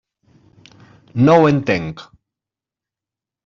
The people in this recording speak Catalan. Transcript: No ho entenc.